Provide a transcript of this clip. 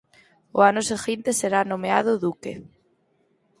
O ano seguinte será nomeado Duque.